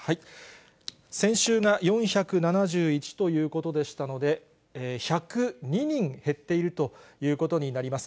先週が４７１ということでしたので、１０２人減っているということになります。